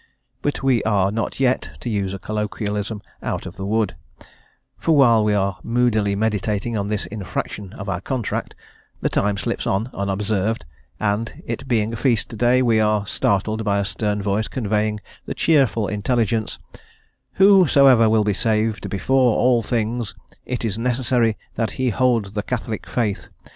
But we are not yet, to use a colloquialism, out of the wood; for while we are moodily meditating on this infraction of our contract the time slips on unobserved, and, it being a feast day, we are startled by a stern voice conveying the cheerful intelligence, "Whosoever will be saved, before all things, it is necessary that he hold the Catholic Faith.